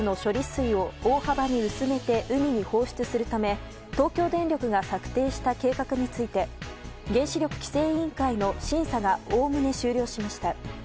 水を大幅に薄めて海へ放出するため東京電力が策定した計画について原子力規制委員会の審査がおおむね終了しました。